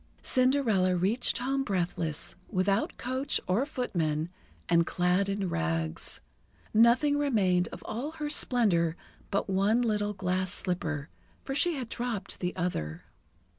Cinderella reached home breathless, without coach or footmen, and clad in rags. Nothing remained of all her splendour but one little glass slipper, for she had dropped the other.